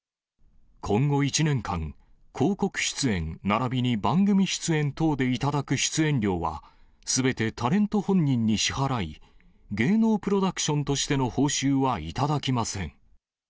今後１年間、広告出演ならびに番組出演等で頂く出演料は、すべてタレント本人に支払い、芸能プロダクションとしての報酬は頂きません。